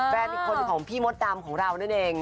อีกคนของพี่มดดำของเรานั่นเอง